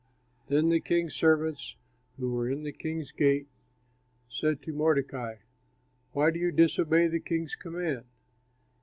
Then the king's servants, who were in the king's gate, said to Mordecai, "Why do you disobey the king's command?"